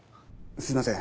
すいません